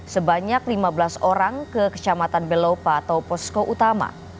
sebanyak lima belas orang ke kecamatan belopa atau posko utama